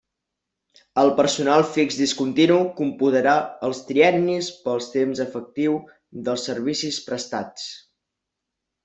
El personal fix discontinu computarà els triennis pel temps efectiu de servicis prestats.